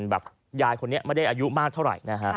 แบบยายคนนี้ไม่ได้อายุมากเท่าไหร่